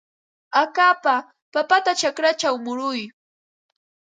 Akapa papata chakrachaw muruy.